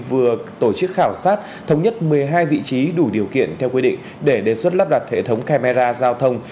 vừa tổ chức khảo sát thống nhất một mươi hai vị trí đủ điều kiện theo quy định để đề xuất lắp đặt hệ thống camera giao thông